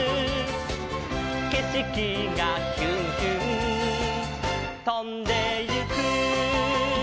「けしきがヒュンヒュンとんでいく」